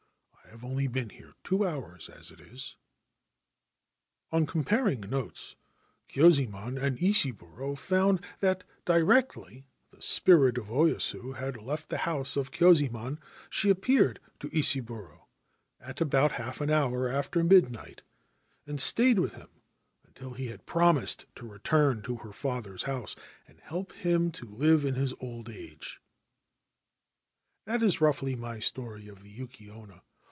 I have only been here two hours as it is.' On comparing notes Kyuzaemon and Isaburo found that directly the spirit of Oyasu had left the house of Kyuzaemon she appeared to Isaburo, at about half an hour after midnight, and stayed with him until he had promised to return to her father's house and help him to live in his old age. That is roughly my story of the Yuki Onna.